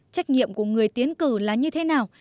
trách nhiệm của người tiến cử là như thế nào